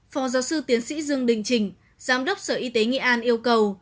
phó giáo sư tiến sĩ dương đình chỉnh giám đốc sở y tế nghệ an yêu cầu